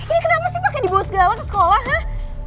ini kenapa sih pakai di bawah segala ke sekolah kah